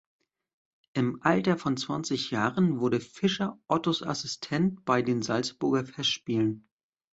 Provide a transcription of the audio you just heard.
Im Alter von zwanzig Jahren wurde Fischer Ottos Assistent bei den Salzburger Festspielen.